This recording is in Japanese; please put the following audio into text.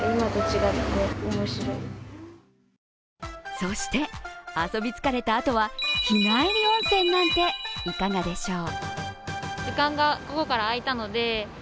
そして遊び疲れたあとは日帰り温泉なんていかがでしょう。